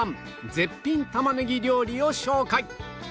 絶品玉ねぎ料理を紹介